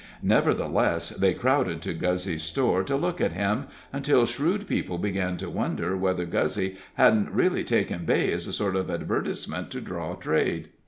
Nevertheless, they crowded to Guzzy's store, to look at him, until shrewd people began to wonder whether Guzzy hadn't really taken Beigh as a sort of advertisement to draw trade.